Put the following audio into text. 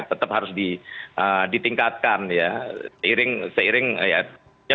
tetap harus ditingkatkan ya